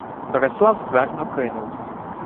Борислав ствердно кинув: